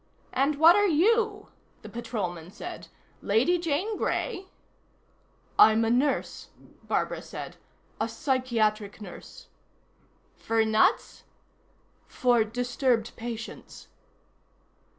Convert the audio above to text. "And what are you?" the Patrolman said. "Lady Jane Grey?" "I'm a nurse," Barbara said. "A psychiatric nurse." "For nuts?" "For disturbed patients."